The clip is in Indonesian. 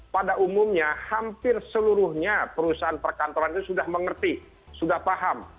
pada umumnya hampir seluruhnya perusahaan perkantoran itu sudah mengerti sudah paham